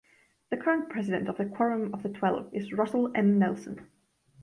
The current President of the Quorum of the Twelve is Russell M. Nelson.